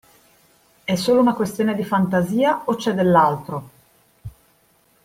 È solo una questione di fantasia o c'è dell'altro?